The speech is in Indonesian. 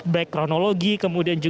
lampu lampu lampu